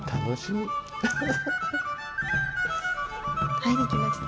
はいできました。